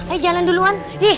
ayo jalan duluan